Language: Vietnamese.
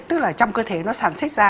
tức là trong cơ thể nó sản xuất ra